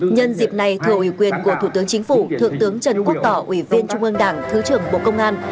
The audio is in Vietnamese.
nhân dịp này thủ ủy quyền của thủ tướng chính phủ thượng tướng trần quốc tỏ ủy viên trung ương đảng thứ trưởng bộ công an